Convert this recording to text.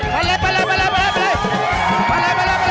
ไปเลย